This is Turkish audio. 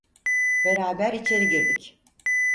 Beraber içeri girdik.